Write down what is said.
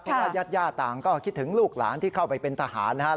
เพราะว่ายาดต่างก็คิดถึงลูกหลานที่เข้าไปเป็นทหารนะครับ